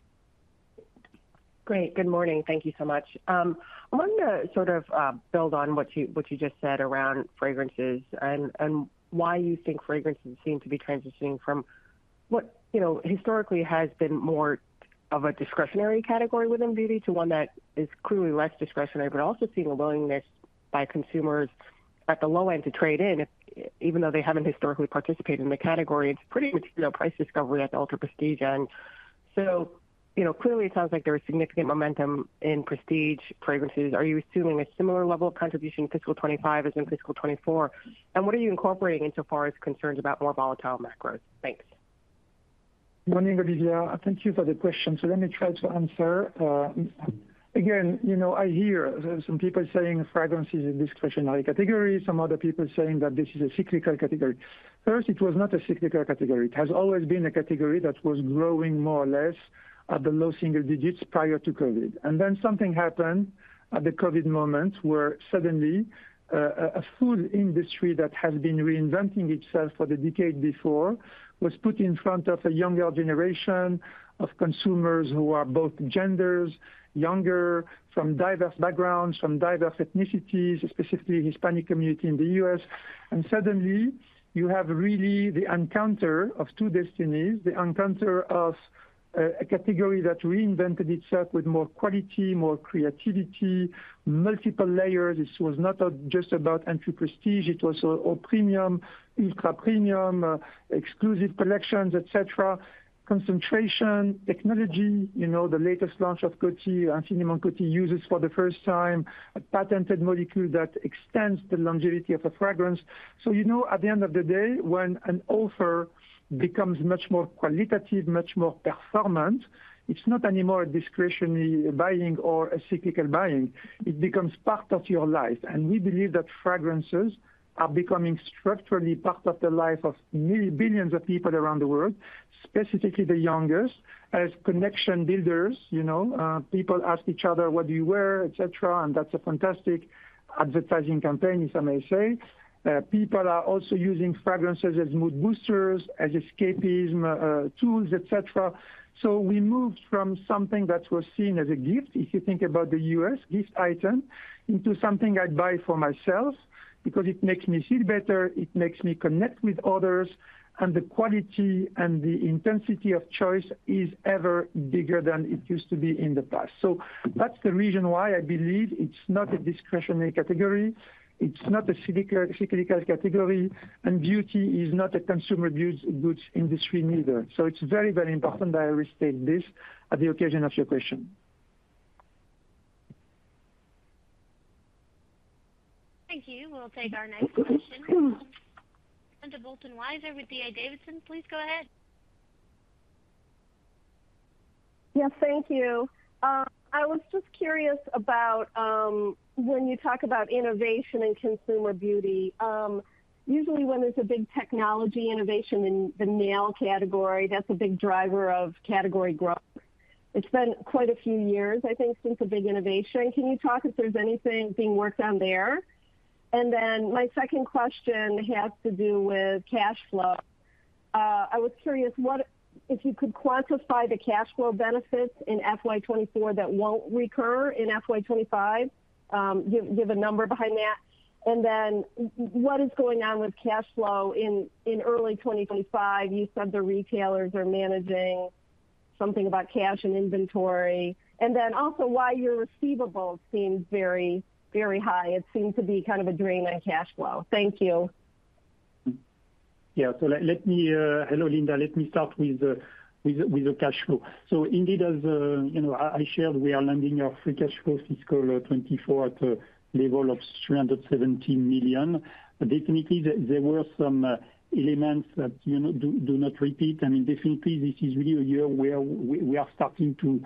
Great, good morning. Thank you so much. I wanted to sort of, build on what you, what you just said around fragrances and, and why you think fragrances seem to be transitioning from what, you know, historically has been more of a discretionary category within beauty, to one that is clearly less discretionary, but also seeing a willingness by consumers at the low end to trade in, if, even though they haven't historically participated in the category, it's pretty much, you know, price discovery at the ultra prestige. And, so, you know, clearly it sounds like there is significant momentum in prestige fragrances. Are you assuming a similar level of contribution in fiscal 2025 as in fiscal 2024? And what are you incorporating insofar as concerns about more volatile macros? Thanks. Morning, Olivia. Thank you for the question. So let me try to answer. Again, you know, I hear some people saying fragrance is a discretionary category, some other people saying that this is a cyclical category. First, it was not a cyclical category. It has always been a category that was growing more or less at the low single digits prior to COVID. And then something happened at the COVID moment, where suddenly, a fragrance industry that had been reinventing itself for the decade before, was put in front of a younger generation of consumers who are both genders, younger, from diverse backgrounds, from diverse ethnicities, specifically Hispanic community in the U.S. And suddenly you have really the encounter of two destinies, the encounter of a category that reinvented itself with more quality, more creativity, multiple layers. This was not just about entry prestige, it was all premium, ultra-premium, exclusive collections, et cetera, concentration, technology. You know, the latest launch of Coty, Infiniment Coty, uses for the first time a patented molecule that extends the longevity of a fragrance. So, you know, at the end of the day, when an offer becomes much more qualitative, much more performant, it's not anymore a discretionary buying or a cyclical buying. It becomes part of your life. And we believe that fragrances are becoming structurally part of the life of nearly billions of people around the world, specifically the youngest, as connection builders. You know, people ask each other, "What do you wear?" Et cetera, and that's a fantastic advertising campaign, if I may say. People are also using fragrances as mood boosters, as escapism, tools, et cetera. So we moved from something that was seen as a gift, if you think about the U.S., gift item, into something I'd buy for myself because it makes me feel better, it makes me connect with others, and the quality and the intensity of choice is ever bigger than it used to be in the past. So that's the reason why I believe it's not a discretionary category, it's not a cyclical category, and beauty is not a consumer goods industry neither. So it's very, very important that I restate this at the occasion of your question. Thank you. We'll take our next question. Linda Bolton Weiser with D.A. Davidson, please go ahead. Yes, thank you. I was just curious about when you talk about innovation and Consumer Beauty, usually when there's a big technology innovation in the nail category, that's a big driver of category growth. It's been quite a few years, I think, since a big innovation. Can you talk if there's anything being worked on there? And then my second question has to do with cash flow. I was curious, what if you could quantify the cash flow benefits in FY 2024 that won't recur in FY 2025, give a number behind that. And then what is going on with cash flow in early 2025? You said the retailers are managing something about cash and inventory, and then also why your receivables seems very, very high. It seems to be kind of a drain on cash flow. Thank you. Yeah, so let me. Hello, Linda, let me start with the cash flow. So indeed, as you know, I shared, we are landing our free cash flow fiscal 2024 at a level of $317 million. But definitely, there were some elements that, you know, do not repeat. I mean, definitely this is really a year where we are starting to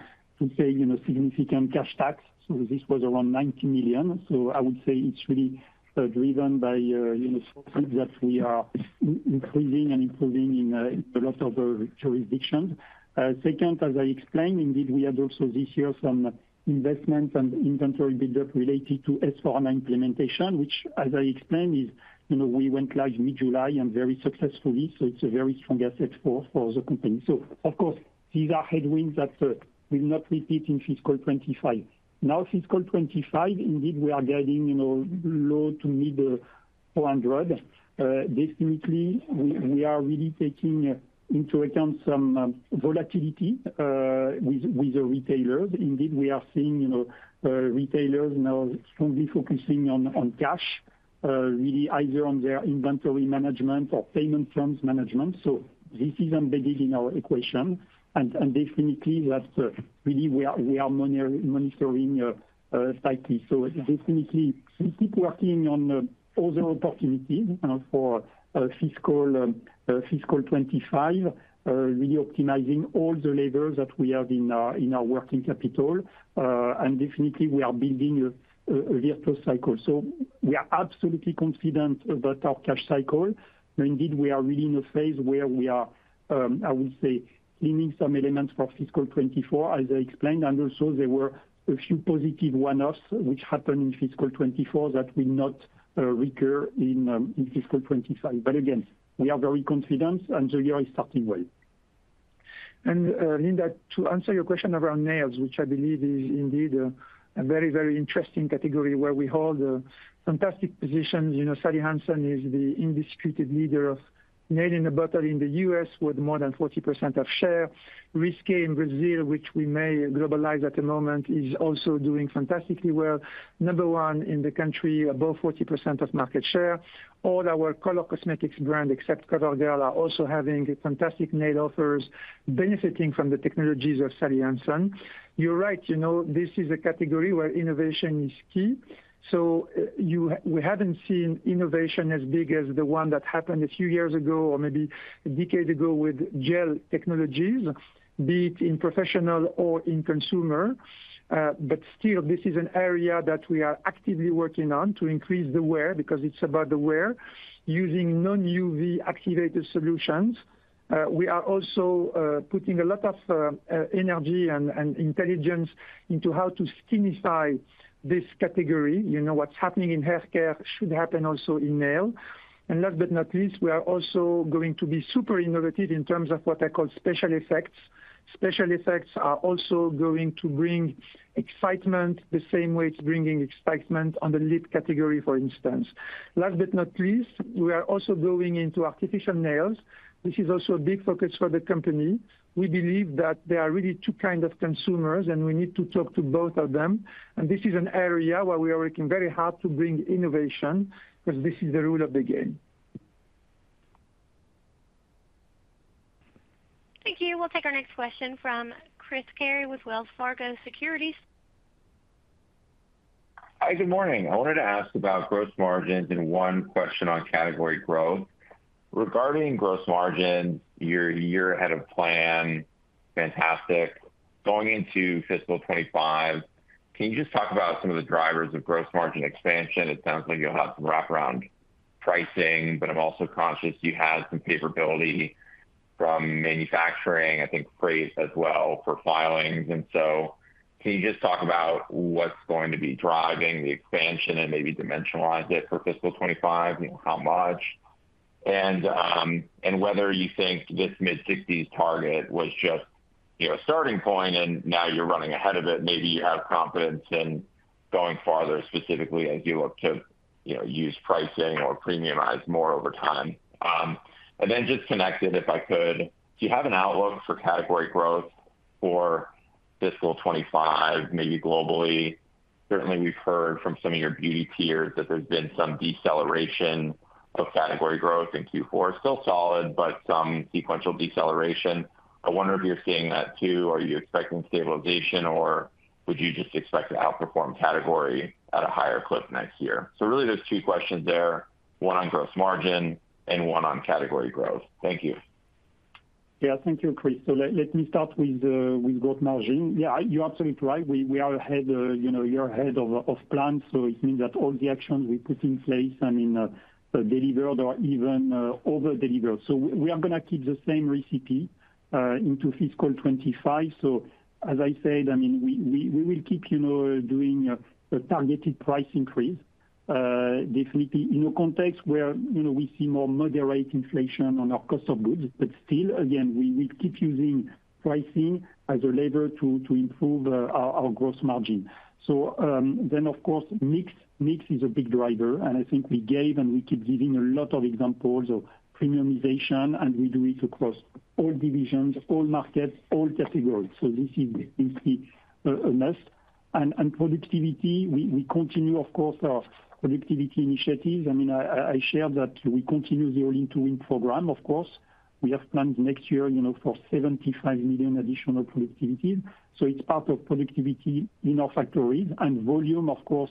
pay, you know, significant cash tax. So this was around $90 million. So I would say it's really driven by, you know, sources that we are increasing and improving in a lot of the jurisdictions. Second, as I explained, indeed, we had also this year some investment and inventory buildup related to S/4HANA implementation, which, as I explained, is, you know, we went live mid-July and very successfully, so it's a very strong asset for the company. So of course, these are headwinds that will not repeat in fiscal 2025. Now, fiscal 2025, indeed, we are guiding, you know, low to mid $400 million. Definitely, we are really taking into account some volatility with the retailers. Indeed, we are seeing, you know, retailers you know strongly focusing on cash, really either on their inventory management or payment terms management. So this is embedded in our equation, and definitely that's really we are monitoring tightly. So definitely we keep working on other opportunities for fiscal 2025, really optimizing all the levels that we have in our working capital. And definitely we are building a year plus cycle. So we are absolutely confident about our cash cycle. Indeed, we are really in a phase where we are, I would say, cleaning some elements for fiscal 2024, as I explained, and also there were a few positive one-offs which happened in fiscal 2024 that will not recur in fiscal 2025. But again, we are very confident, and the year is starting well. And, Linda, to answer your question around nails, which I believe is indeed a very, very interesting category where we hold fantastic positions. You know, Sally Hansen is the undisputed leader of nail in a bottle in the U.S., with more than 40% of share. Risqué in Brazil, which we may globalize at the moment, is also doing fantastically well. Number one in the country, above 40% of market share. All our color cosmetics brand, except CoverGirl, are also having fantastic nail offers, benefiting from the technologies of Sally Hansen. You're right, you know, this is a category where innovation is key. So we haven't seen innovation as big as the one that happened a few years ago or maybe a decade ago with gel technologies, be it in professional or in consumer. But still, this is an area that we are actively working on to increase the wear, because it's about the wear, using non-UV activated solutions. We are also putting a lot of energy and intelligence into how to skinify this category. You know, what's happening in healthcare should happen also in nail. And last but not least, we are also going to be super innovative in terms of what I call special effects. Special effects are also going to bring excitement, the same way it's bringing excitement on the lip category, for instance. Last but not least, we are also going into artificial nails, which is also a big focus for the company. We believe that there are really two kind of consumers, and we need to talk to both of them. And this is an area where we are working very hard to bring innovation, because this is the rule of the game. Thank you. We'll take our next question from Chris Carey with Wells Fargo Securities. Hi, good morning. I wanted to ask about gross margins and one question on category growth. Regarding gross margin, you're a year ahead of plan. Fantastic. Going into fiscal 2025, can you just talk about some of the drivers of gross margin expansion? It sounds like you'll have some wraparound pricing, but I'm also conscious you have some capability from manufacturing, I think, freight as well for filings. And so can you just talk about what's going to be driving the expansion and maybe dimensionalize it for fiscal 2025, you know, how much? And, and whether you think this mid-60s target was just, you know, a starting point and now you're running ahead of it, maybe you have confidence in going farther, specifically as you look to, you know, use pricing or premiumize more over time. And then just connected, if I could: Do you have an outlook for category growth for fiscal 2025, maybe globally? Certainly, we've heard from some of your beauty peers that there's been some deceleration of category growth in Q4, still solid, but some sequential deceleration. I wonder if you're seeing that, too. Are you expecting stabilization, or would you just expect to outperform category at a higher clip next year? So really, there's two questions there, one on gross margin and one on category growth. Thank you. Yeah, thank you, Chris. So let me start with gross margin. Yeah, you're absolutely right. We are ahead, you know, a year ahead of plan, so it means that all the actions we put in place, I mean, are delivered or even over-delivered. So we are gonna keep the same recipe into fiscal 2025. So as I said, I mean, we will keep, you know, doing a targeted price increase. Definitely, in a context where, you know, we see more moderate inflation on our cost of goods, but still, again, we will keep using pricing as a lever to improve our gross margin. So then, of course, mix. Mix is a big driver, and I think we gave, and we keep giving a lot of examples of premiumization, and we do it across all divisions, all markets, all categories, so this is a must. And productivity, we continue, of course, our productivity initiatives. I mean, I shared that we continue the All-in to Win program, of course. We have planned next year, you know, for $75 million additional productivity. So it's part of productivity in our factories, and volume, of course,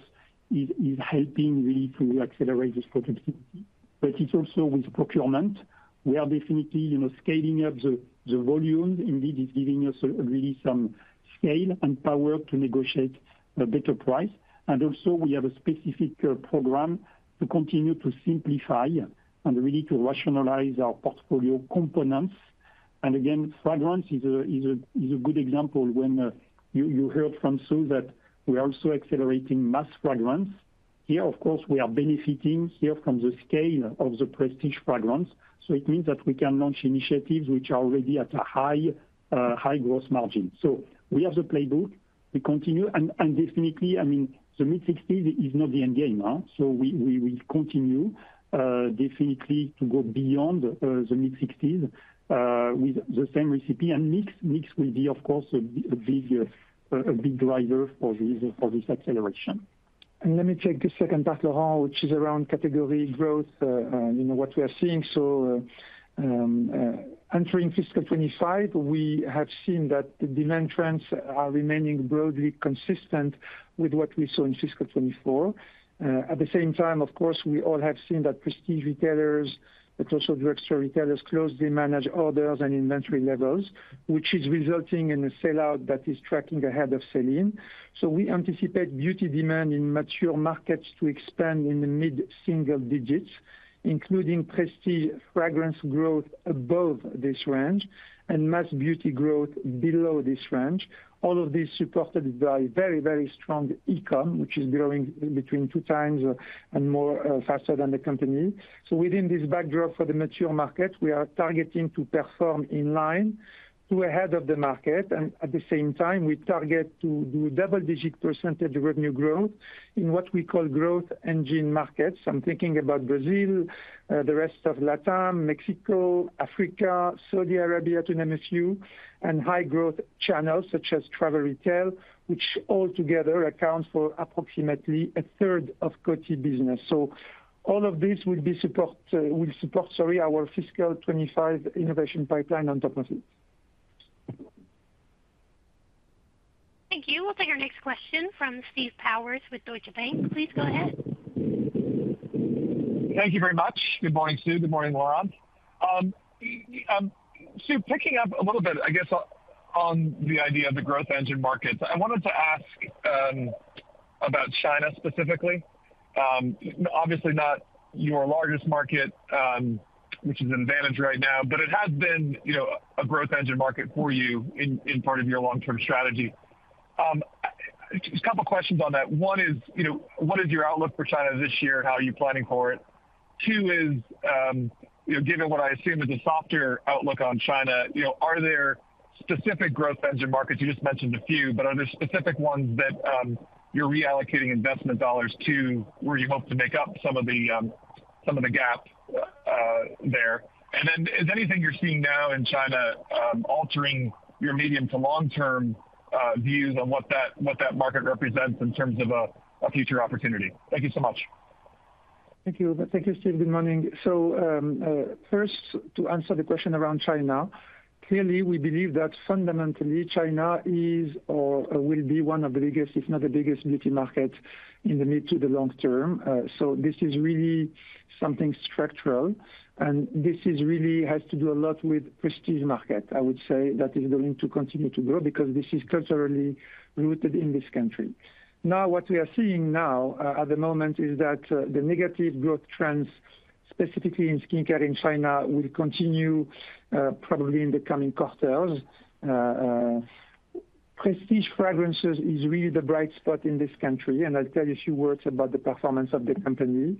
is helping really to accelerate this productivity. But it's also with procurement. We are definitely, you know, scaling up the volume. Indeed, it's giving us really some scale and power to negotiate a better price. And also, we have a specific program to continue to simplify and really to rationalize our portfolio components. And again, fragrance is a good example when you heard from Sue that we are also accelerating mass fragrance. Here, of course, we are benefiting here from the scale of the prestige fragrance, so it means that we can launch initiatives which are already at a high gross margin. So we have the playbook. We continue, and definitely, I mean, the mid-60s is not the end game, huh? So we will continue definitely to go beyond the mid-60s with the same recipe. And mix will be, of course, a big driver for this acceleration. And let me take the second part, Laurent, which is around category growth, and you know, what we are seeing. Entering fiscal 2025, we have seen that the demand trends are remaining broadly consistent with what we saw in fiscal 2024. At the same time, of course, we all have seen that prestige retailers, but also drugstore retailers, closely manage orders and inventory levels, which is resulting in a sell-out that is tracking ahead of sell-in. We anticipate beauty demand in mature markets to expand in the mid-single digits, including prestige fragrance growth above this range and mass beauty growth below this range, all of this supported by very, very strong e-com, which is growing two times or more faster than the company. So within this backdrop for the mature market, we are targeting to perform in line to ahead of the market, and at the same time, we target to do double-digit percentage revenue growth in what we call growth engine markets. I'm thinking about Brazil, the rest of LatAm, Mexico, Africa, Saudi Arabia, to name a few, and high-growth channels, such as travel retail, which altogether accounts for approximately 1/3 of Coty business. So all of this will support our fiscal 2025 innovation pipeline on top of it. Thank you. We'll take our next question from Steve Powers with Deutsche Bank. Please go ahead. Thank you very much. Good morning, Sue. Good morning, Laurent. Sue, picking up a little bit, I guess, on the idea of the growth engine markets, I wanted to ask about China specifically. Obviously not your largest market, which is an advantage right now, but it has been, you know, a growth engine market for you in part of your long-term strategy. Just a couple questions on that. One is, you know, what is your outlook for China this year, and how are you planning for it? Two is, you know, given what I assume is a softer outlook on China, you know, are there specific growth engine markets? You just mentioned a few, but are there specific ones that you're reallocating investment dollars to, where you hope to make up some of the gap there? And then, is anything you're seeing now in China altering your medium to long-term views on what that market represents in terms of a future opportunity? Thank you so much. Thank you. Thank you, Steve. Good morning. First, to answer the question around China, clearly, we believe that fundamentally, China is or will be one of the biggest, if not the biggest, beauty markets in the mid to the long term. So this is really something structural, and this is really has to do a lot with prestige market. I would say that is going to continue to grow because this is culturally rooted in this country. Now, what we are seeing now, at the moment, is that, the negative growth trends, specifically in skincare in China, will continue, probably in the coming quarters. Prestige fragrances is really the bright spot in this country, and I'll tell you a few words about the performance of the company.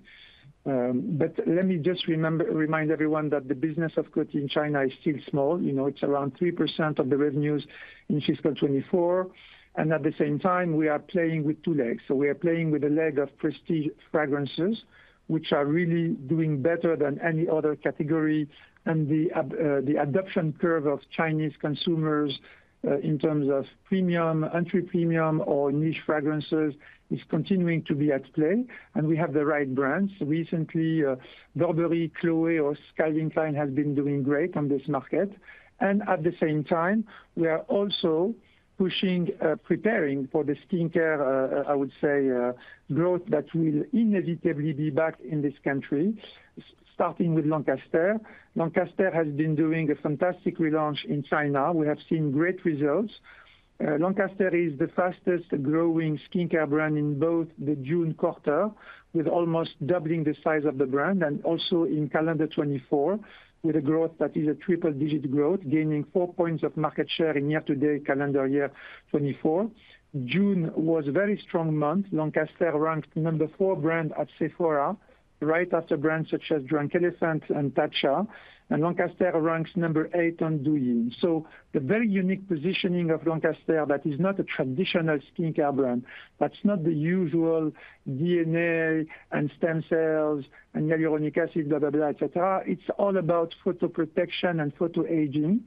But let me just remind everyone that the business of Coty in China is still small. You know, it's around 3% of the revenues in fiscal 2024, and at the same time, we are playing with two legs. So we are playing with a leg of prestige fragrances, which are really doing better than any other category, and the adoption curve of Chinese consumers in terms of premium, entry premium, or niche fragrances, is continuing to be at play, and we have the right brands. Recently, Burberry, Chloé, or Calvin Klein has been doing great on this market. And at the same time, we are also pushing, preparing for the skincare, I would say, growth that will inevitably be back in this country, starting with Lancaster. Lancaster has been doing a fantastic relaunch in China. We have seen great results. Lancaster is the fastest growing skincare brand in both the June quarter, with almost doubling the size of the brand, and also in calendar 2024, with a growth that is a triple digit growth, gaining four points of market share in year-to-date calendar year 2024. June was a very strong month. Lancaster ranked number four brand at Sephora, right after brands such as Drunk Elephant and Tatcha, and Lancaster ranks number eight on Douyin. So the very unique positioning of Lancaster that is not a traditional skincare brand, that's not the usual DNA and stem cells and hyaluronic acid, blah, blah, blah, et cetera. It's all about photoprotection, and photoaging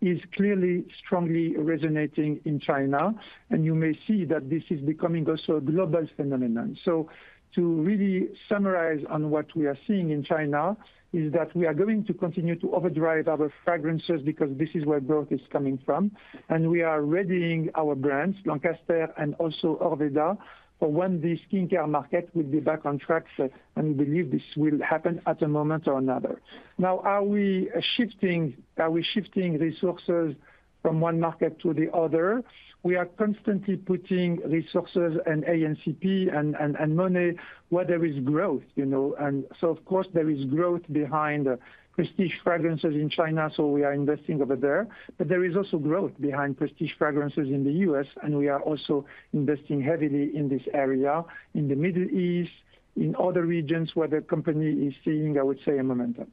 is clearly strongly resonating in China, and you may see that this is becoming also a global phenomenon. So to really summarize on what we are seeing in China, is that we are going to continue to overdrive our fragrances because this is where growth is coming from, and we are readying our brands, Lancaster and also Orveda, for when the skincare market will be back on track, and we believe this will happen at a moment or another. Now, are we shifting, are we shifting resources from one market to the other? We are constantly putting resources and A&CP and money where there is growth, you know, and so of course there is growth behind prestige fragrances in China, so we are investing over there. But there is also growth behind prestige fragrances in the U.S., and we are also investing heavily in this area, in the Middle East, in other regions where the company is seeing, I would say, a momentum.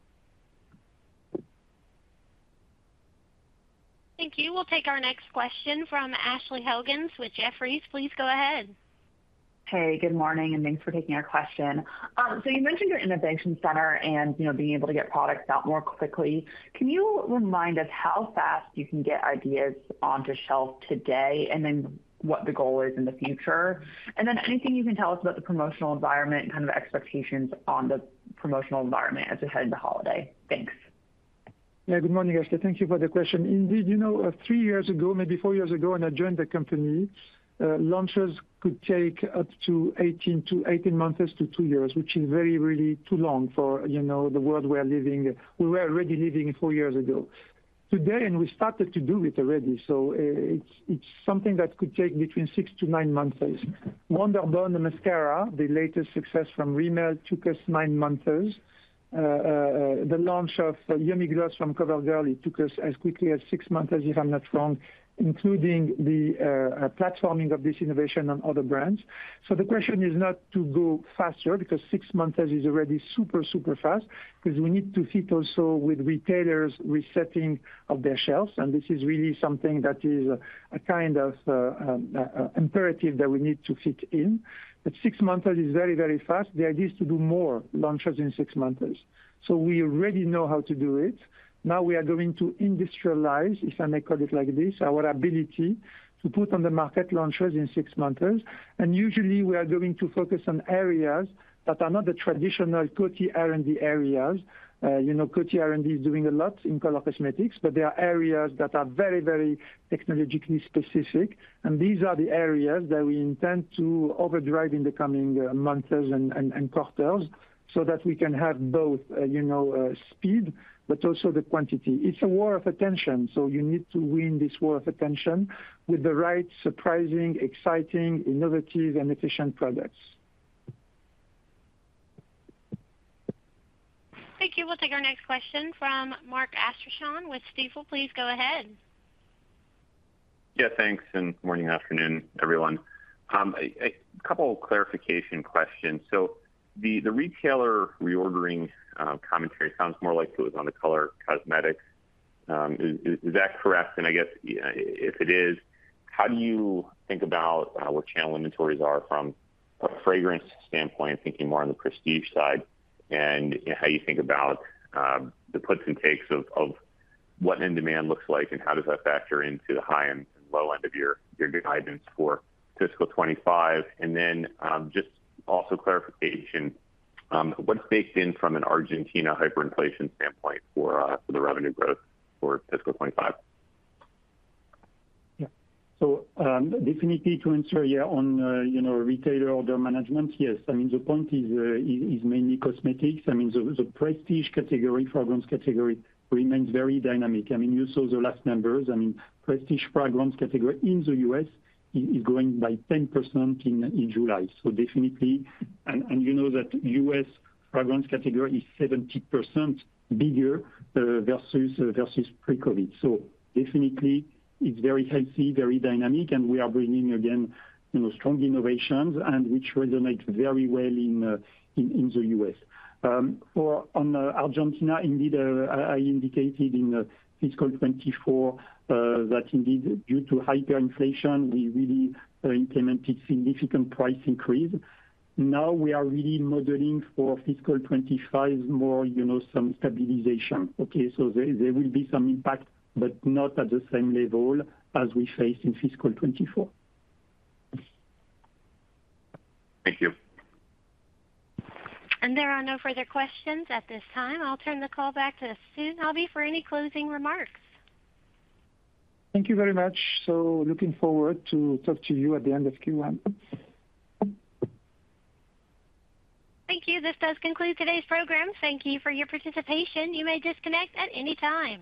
Thank you. We'll take our next question from Ashley Helgans with Jefferies. Please go ahead. Hey, good morning, and thanks for taking our question. So you mentioned your innovation center and, you know, being able to get products out more quickly. Can you remind us how fast you can get ideas onto shelf today, and then what the goal is in the future? And then anything you can tell us about the promotional environment, kind of expectations on the promotional environment as we head into holiday? Thanks. Yeah, good morning, Ashley. Thank you for the question. Indeed, you know, 3 years ago, maybe 4 years ago, when I joined the company, launches could take up to 18 months to 2 years, which is very, really too long for, you know, the world we are living, we were already living in 4 years ago. Today, and we started to do it already, so it's something that could take between six to nine months. Wonder'Bond, the mascara, the latest success from Rimmel, took us nine months. The launch of Yummy Gloss from CoverGirl, it took us as quickly as six months, if I'm not wrong, including the platforming of this innovation on other brands. So the question is not to go faster, because six months is already super, super fast, because we need to fit also with retailers resetting of their shelves, and this is really something that is a kind of, imperative that we need to fit in. But six months is very, very fast. The idea is to do more launches in six months. So we already know how to do it. Now we are going to industrialize, if I may call it like this, our ability to put on the market launches in six months. And usually we are going to focus on areas that are not the traditional Coty R&D areas. You know, Coty R&D is doing a lot in color cosmetics, but there are areas that are very, very technologically specific, and these are the areas that we intend to overdrive in the coming months and quarters, so that we can have both, you know, speed, but also the quantity. It's a war of attention, so you need to win this war of attention with the right, surprising, exciting, innovative and efficient products. Thank you. We'll take our next question from Mark Astrachan with Stifel. Please go ahead. Yeah, thanks, and morning, afternoon, everyone. A couple clarification questions. So the retailer reordering commentary sounds more like it was on the color cosmetics. Is that correct? And I guess, if it is, how do you think about where channel inventories are from a fragrance standpoint, thinking more on the prestige side, and how you think about the puts and takes of what in demand looks like, and how does that factor into the high and low end of your guidance for fiscal 2025? And then, just also clarification, what's baked in from an Argentina hyperinflation standpoint for the revenue growth for fiscal 2025? Yeah. So, definitely to answer, yeah, on, you know, retailer order management, yes. I mean, the point is mainly cosmetics. I mean, the prestige category, fragrance category remains very dynamic. I mean, you saw the last numbers. I mean, prestige fragrance category in the U.S. is growing by 10% in July. So definitely, you know that U.S. fragrance category is 70% bigger versus pre-COVID. So definitely, it's very healthy, very dynamic, and we are bringing, again, you know, strong innovations and which resonates very well in the U.S. On Argentina, indeed, I indicated in fiscal 2024 that indeed, due to hyperinflation, we really implemented significant price increase. Now we are really modeling for fiscal 2025, more, you know, some stabilization. Okay, so there will be some impact, but not at the same level as we faced in fiscal 2024. Thank you. There are no further questions at this time. I'll turn the call back to Sue Nabi for any closing remarks. Thank you very much. So looking forward to talk to you at the end of Q1. Thank you. This does conclude today's program. Thank you for your participation. You may disconnect at any time.